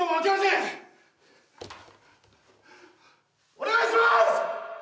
お願いします！